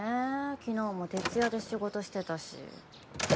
昨日も徹夜で仕事してたし。